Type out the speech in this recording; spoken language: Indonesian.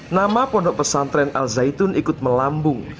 nama pondok pesantren al zaitun ikut melambung